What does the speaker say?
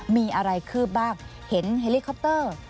มีอะไรคืบบ้างเห็นเฮลิคอปเตอร์